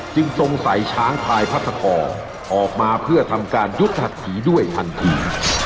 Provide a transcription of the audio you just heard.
จึงทรงสัยช้างพายพัทธกอร์ออกมาเพื่อทำการยุทธหัดผีด้วยทันที